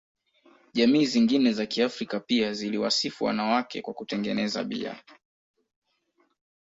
Jamii zingine za Kiafrika pia ziliwasifu wanawake kwa kutengeneza bia.